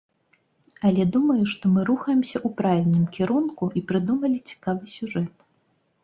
Але думаю, што мы рухаемся ў правільным кірунку і прыдумалі цікавы сюжэт.